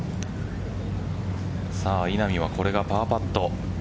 稲見はこれがパーパット。